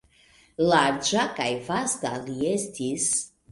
Larĝa kaj vasta li estis!